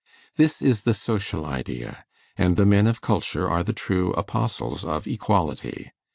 This is the social idea; and the men of culture are the true apostles of equality.